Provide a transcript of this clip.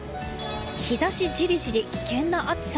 日差しジリジリ、危険な暑さ。